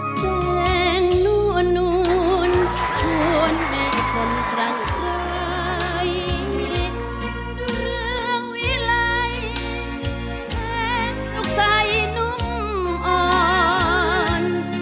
แสงนั่วนุ่นชวนแม่คนกลางไทยดูเรื่องเวลาแสงนกใส่นุ่มอ่อน